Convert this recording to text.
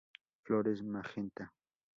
Flores magenta.